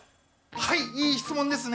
はい、いい質問ですね。